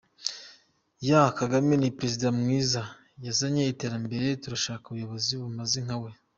Y: Kagame ni Perezida mwiza, yazanye iterambere, turashaka abayobozi bameze nka we.